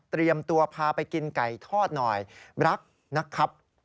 ตัวพาไปกินไก่ทอดหน่อยรักนะครับ